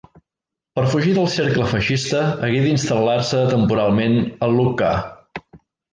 Per fugir del cercle feixista, hagué d'instal·lar-se temporalment a Lucca.